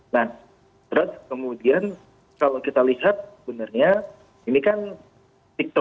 nah terus kemudian kalau kita lihat benarnya ini kan tiktok